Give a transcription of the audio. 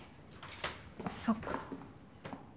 そっか。